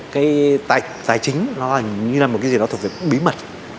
cái tài chính nó như là một cái gì nó thuộc về bí mật